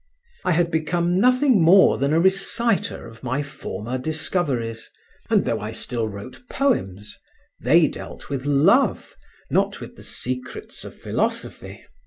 I had become nothing more than a reciter of my former discoveries, and though I still wrote poems, they dealt with love, not with the secrets of philosophy.